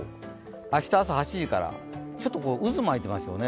明日朝８時から、ちょっと渦巻いてますよね。